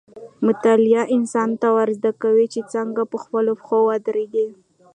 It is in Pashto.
مطالعه انسان ته دا ورزده کوي چې څنګه په خپلو پښو ودرېږي.